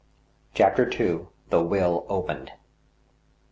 CHAPTER II. THE WILL OPENED.